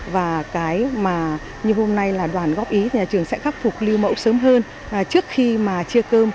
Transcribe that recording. và cái mà như hôm nay là đoàn góp ý nhà trường sẽ khắc phục lưu mẫu sớm hơn trước khi mà chia cơm